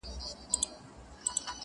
پر مخ وريځ,